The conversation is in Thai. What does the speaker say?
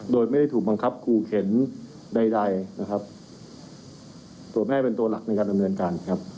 โดยไม่ได้ถูกบังคับขู่เข็นใดใดนะครับตัวแม่เป็นตัวหลักในการดำเนินการครับ